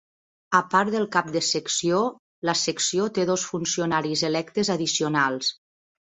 A part del cap de secció, la secció té dos funcionaris electes addicionals.